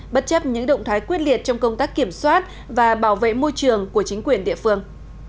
bất chấp những động thái quyết liệt trong công tác kiểm soát và bảo vệ môi trường của chính quyền địa phương